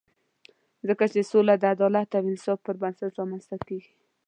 ځکه چې سوله د عدالت او انصاف پر بنسټ رامنځته کېږي.